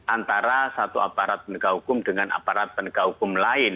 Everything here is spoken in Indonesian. antara satu aparat penegak hukum dengan aparat penegak hukum lain